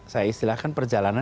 saya istilahkan perjalanan